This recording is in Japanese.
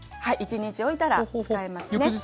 １日おいたら使えますね。